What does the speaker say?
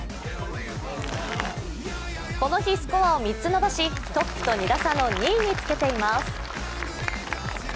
この日、スコアを３つ伸ばしトップと２打差の２位につけています。